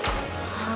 はあ。